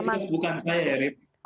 cawapresnya ya bukan saya ya arief